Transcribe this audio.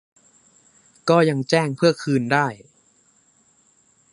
ก็ยังแจ้งเพื่อคืนได้